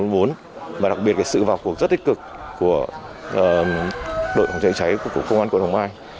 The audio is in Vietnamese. và đặc biệt là sự vào cuộc rất tích cực của đội phòng cháy cháy của công an quận hoàng mai